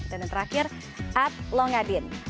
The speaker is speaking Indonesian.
dan yang terakhir adlongadin